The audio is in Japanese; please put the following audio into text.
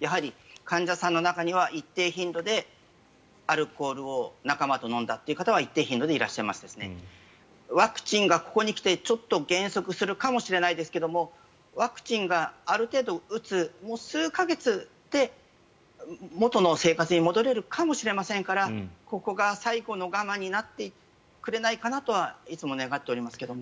やはり、患者さんの中には一定頻度でアルコールを仲間と飲んだという方は一定頻度でいらっしゃいましてワクチンがここに来てちょっと減速するかもしれないですけどもワクチンがある程度、打つ数か月で元の生活に戻れるかもしれませんからここが最後の我慢になってくれないかなとはいつも願っておりますけども。